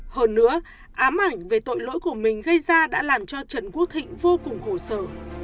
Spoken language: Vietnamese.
hơn nữa ám ảnh về tội lỗi của mình gây ra đã làm cho trần quốc thịnh vô cùng hồ sơ